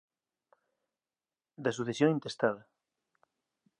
Da sucesión intestada